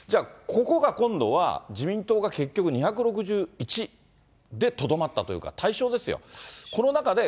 じゃあ、ここが今度は、自民党が結局、２６１でとどまったっていうか、大勝ですよ。